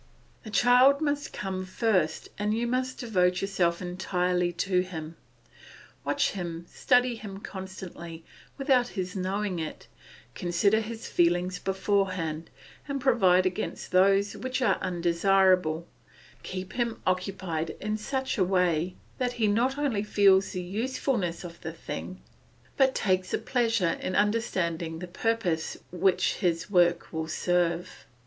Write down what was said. The child must come first, and you must devote yourself entirely to him. Watch him, study him constantly, without his knowing it; consider his feelings beforehand, and provide against those which are undesirable, keep him occupied in such a way that he not only feels the usefulness of the thing, but takes a pleasure in understanding the purpose which his work will serve.